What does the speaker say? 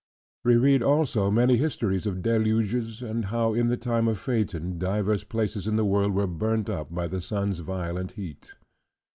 We read also many histories of deluges: and how in the time of Phaeton, divers places in the world were burnt up, by the sun's violent heat.